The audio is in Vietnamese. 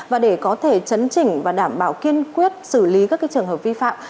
và để có thể chấn chỉnh và đảm bảo kiên quyết xử lý các trường hợp vi phạm